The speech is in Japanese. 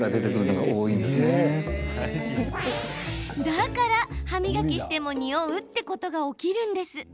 だから歯磨きしてもにおうってことが起きるんです。